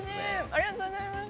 ありがとうございます。